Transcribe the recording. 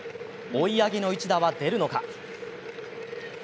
追い上げの一打は出るのか。